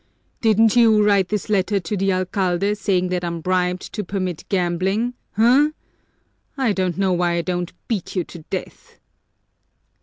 "Didn't you write this letter to the alcalde saying that I'm bribed to permit gambling, huh? I don't know why I don't beat you to death."